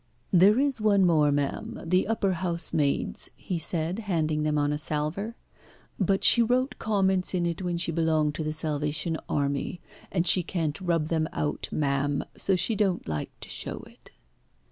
"There is one more, ma'am the upper housemaid's," he said, handing them on a salver. "But she wrote comments in it when she belonged to the Salvation Army, and she can't rub them out, ma'am, so she don't like to show it."